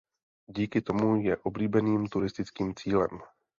Díky tomu je oblíbeným turistickým cílem.